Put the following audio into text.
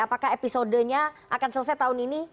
apakah episodenya akan selesai tahun ini